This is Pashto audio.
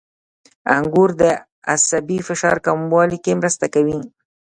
• انګور د عصبي فشار کمولو کې مرسته کوي.